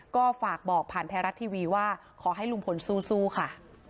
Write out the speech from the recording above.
ก็ฝากบอกผ่านไทยรัฐทีวีว่าขอให้ลุงพลสู้ค่ะ